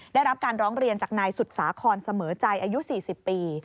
ได้รับการร้องเรียนจากนายสุดสาครเสมอใจอายุ๔๐ปี